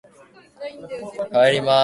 トンネルの開削に従事する